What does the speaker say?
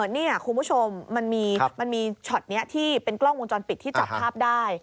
นี่คุณผู้ชมมันมีช็อตนี้ที่เป็นกล้องวงจรปิดที่จับภาพได้